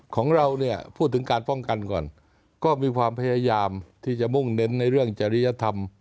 ของเราเนี่ยพูดถึงการป้องกันก่อนก็มีความพยายามที่จะมุ่งเน้นในเรื่องจริยธรรม